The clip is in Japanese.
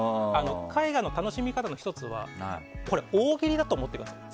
絵画の楽しみ方の１つは大喜利だと思ってください。